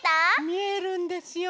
みえるんですよ。